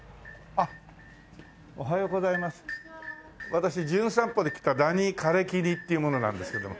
私『じゅん散歩』で来たダニー・カレイキニっていう者なんですけども。